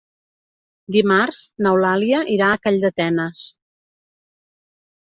Dimarts n'Eulàlia irà a Calldetenes.